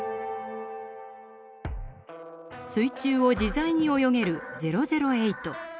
水中を自在に泳げる００８。